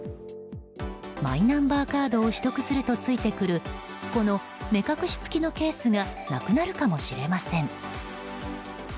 マイナンバーカードを取得するとついてくるこの目隠し付きのケースがなくなるかもしれません。